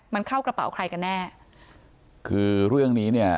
มันเข้ากระเป๋าใครกันแน่คือเรื่องนี้เนี่ย